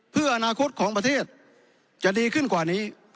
เพื่ออนาคตของประเทศจะดีขึ้นกว่านี้